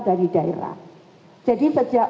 dari daerah jadi sejak